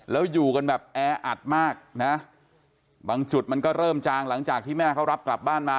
แล้วอยู่กันแบบแออัดมากนะบางจุดมันก็เริ่มจางหลังจากที่แม่เขารับกลับบ้านมา